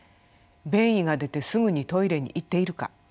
便意が出てすぐにトイレに行っているか